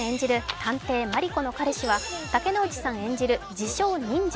探偵マリコの彼氏は竹野内さん演じる自称忍者。